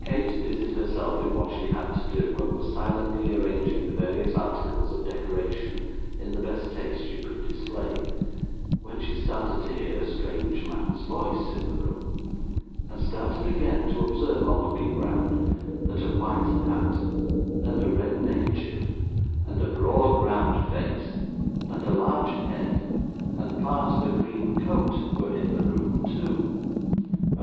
Kate busied herself in what she had to do, and was silently arranging the various articles of decoration in the best taste she could display, when she started to hear a strange man's voice in the room, and started again, to observe, on looking round, that a white hat, and a red neckerchief, and a broad round face, and a large head, and part of a green coat were in the room too.